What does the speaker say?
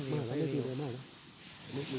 แนะนีน๊าเราก็รองวันกัน